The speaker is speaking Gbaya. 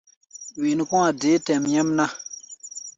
Wen kɔ̧́-a̧ deé tɛʼm nyɛ́mná.